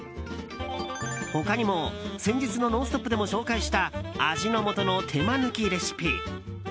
他にも先日の「ノンストップ！」でも紹介した味の素の手間抜きレシピ。